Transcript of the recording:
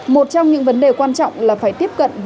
một trong những vấn đề quan trọng là phải tiếp cận